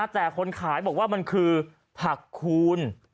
แต่คนขายบอกว่ามันคือผักคูณ